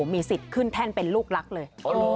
มีสิทธิ์ขึ้นแท่นเป็นลูกรักเลย